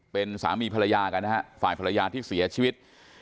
เป็นสามีภรรยากันนะฮะฝ่ายภรรยาที่เสียชีวิต